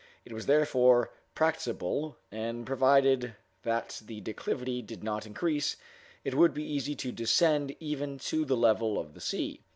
It was therefore practicable, and, provided that the declivity did not increase, it would be easy to descend even to the level of the sea.